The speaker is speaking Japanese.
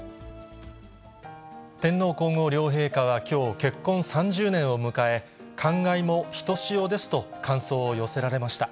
天皇皇后両陛下はきょう、結婚３０年を迎え、感慨もひとしおですと感想を寄せられました。